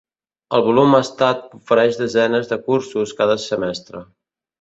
El Volum Estat ofereix desenes de cursos cada semestre.